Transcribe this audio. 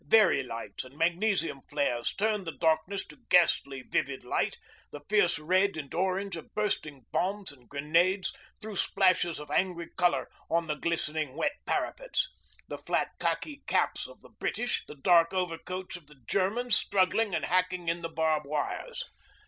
Verey lights and magnesium flares turned the darkness to ghastly vivid light, the fierce red and orange of bursting bombs and grenades threw splashes of angry colour on the glistening wet parapets, the flat khaki caps of the British, the dark overcoats of the Germans struggling and hacking in the barb wires.